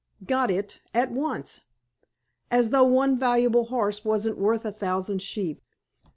"Got it, at once." "As though one valuable horse wasn't worth a thousand sheep."